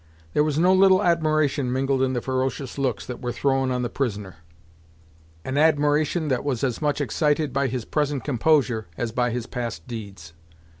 There was no little admiration mingled in the ferocious looks that were thrown on the prisoner; an admiration that was as much excited by his present composure, as by his past deeds.